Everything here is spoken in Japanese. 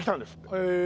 へえ。